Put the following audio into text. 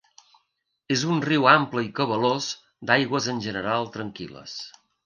És un riu ample i cabalós, d'aigües en general tranquil·les.